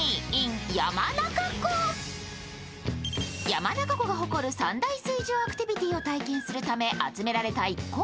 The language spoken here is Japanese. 山中湖が誇る三大水上アクティビティーを体験するため集められた一行。